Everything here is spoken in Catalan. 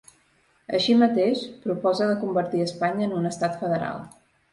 Així mateix, proposa de convertir Espanya en un estat federal.